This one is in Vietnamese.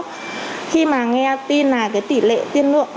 khi mà nghe tin là tỷ lệ tiên lượng